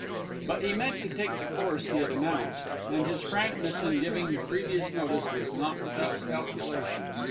But he meant to take the course he had announced, and his frankness in giving previous notice was not without calculation.